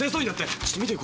ちょっと見てよ